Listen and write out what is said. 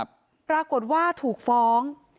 ปรากฏว่าถูกฟ้อง